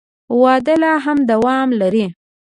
وده لا هم دوام لري.